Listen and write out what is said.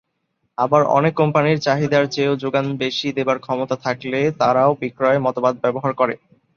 আবার অনেক কোম্পানীর, চাহিদার চেয়েও যোগান বেশি দেবার ক্ষমতা থাকলে তারাও বিক্রয় মতবাদ ব্যবহার করে।